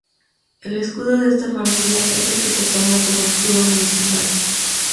El escudo de esta familia es el que se tomó como escudo municipal.